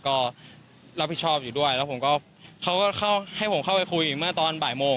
ก็รับผิดชอบอยู่ด้วยแล้วผมก็เขาก็เข้าให้ผมเข้าไปคุยเมื่อตอนบ่ายโมง